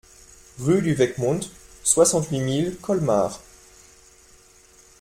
Rue du Weckmund, soixante-huit mille Colmar